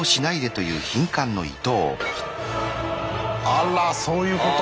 あらそういうこと？